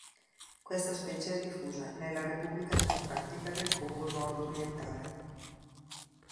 Questa specie è diffusa nella Repubblica Democratica del Congo nord-orientale.